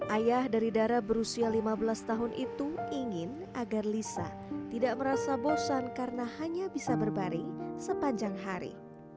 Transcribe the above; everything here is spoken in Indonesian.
ayah dari darah berusia lima belas tahun itu ingin agar lisa tidak merasa bosan karena hanya bisa berbaring sepanjang hari